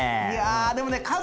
いやでもね